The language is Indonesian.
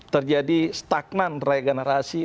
terjadi stagnan regenerasi